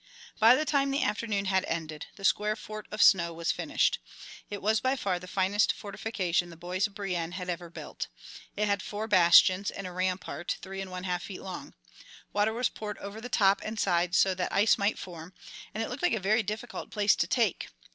By the time the afternoon had ended the square fort of snow was finished. It was by far the finest fortification the boys of Brienne had ever built. It had four bastions and a rampart three and one half feet long. Water was poured over the top and sides so that ice might form, and it looked like a very difficult place to take.